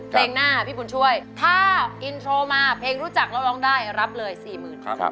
เพลงหน้าพี่บุญช่วยถ้าอินโทรมาเพลงรู้จักแล้วร้องได้รับเลย๔๐๐๐บาท